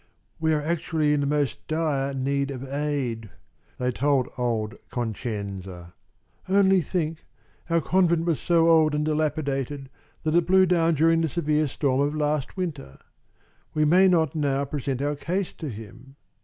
"We are actually in the most dire need of aid," they told old Concenza. "Only think! our convent was so old and dilapidated that it blew down during the severe storm of last winter. We may not now present our case to him.